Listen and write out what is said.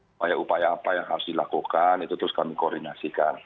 upaya upaya apa yang harus dilakukan itu terus kami koordinasikan